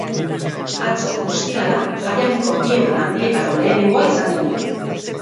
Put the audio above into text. Atzo, ostirala, jaialdiko bi egun handietako lehenengoa izan genuen.